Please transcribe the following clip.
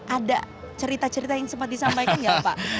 ada cerita cerita yang sempat disampaikan nggak pak